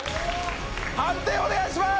判定お願いします！